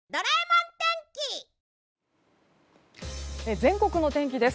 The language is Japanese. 全国の天気です。